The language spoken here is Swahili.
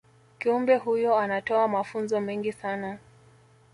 kiumbe huyo anatoa mafunzo mengi sana